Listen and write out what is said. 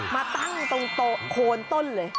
มาตั้งตรงโคนต้นเลย